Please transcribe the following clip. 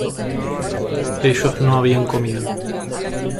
Ellos no habían comido